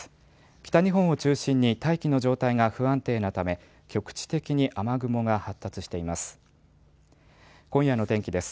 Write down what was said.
北日本を中心に大気の状態が不安定なため局地的に雨雲が発達しています。